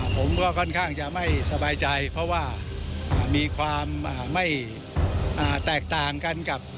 ผมก็ค่อนข้างจะไม่สบายใจเพราะว่ามีความไม่แตกต่างกันกับ